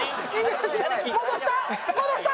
戻した！